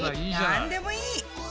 なんでもいい！